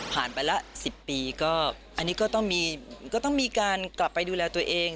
ผ่านไปละสิบปีก็อันนี้ก็ต้องมีก็ต้องมีการกลับไปดูแลตัวเอง